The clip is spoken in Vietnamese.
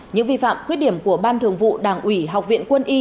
những vi phạm khuyết điểm của ban thường vụ đảng ủy học viện quân y